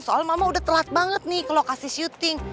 soal mama udah telat banget nih ke lokasi syuting